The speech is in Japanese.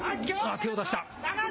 手を出した。